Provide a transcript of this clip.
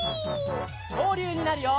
きょうりゅうになるよ！